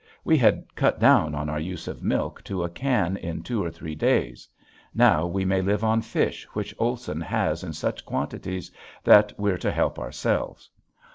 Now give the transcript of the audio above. We had cut down on our use of milk to a can in two or three days. Now we may live on fish which Olson has in such quantities that we're to help ourselves.